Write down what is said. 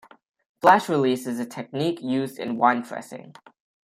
Flash release is a technique used in wine pressing.